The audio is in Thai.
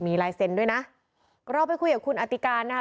มีลายเซ็นต์ด้วยนะเราไปคุยกับคุณอติการนะคะ